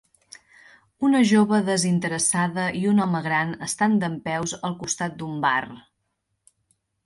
Una jove desinteressada i un home gran estan dempeus al costat d'un bar.